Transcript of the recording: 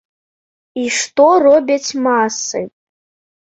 І што робяць масы?